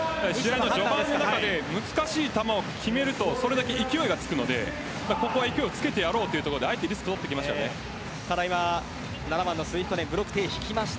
序盤の中で難しい球を決めるとそれだけ勢いがつくので勢いをつけていこうというところでただ、７番のスイヒコネンブロックの手を引きました。